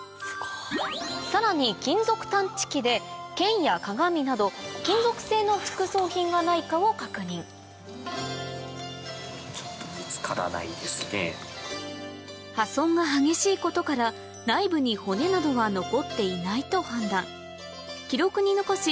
さらに金属探知機で剣や鏡など金属製の副葬品がないかを確認破損が激しいことから内部に骨などは残っていないと判断記録に残し